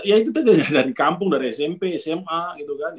ya itu tadi dari kampung dari smp sma gitu kan